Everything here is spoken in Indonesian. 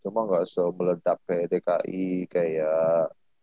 emang gausah meledak pt k i kayak